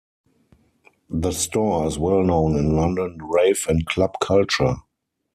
The store is well known in London rave and club culture.